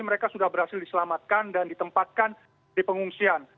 mereka sudah berhasil diselamatkan dan ditempatkan di pengungsian